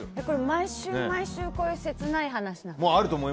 毎週、毎週切ない話なんですか？